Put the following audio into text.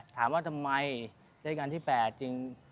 ถามว่าทำไมได้งานที่๘จริง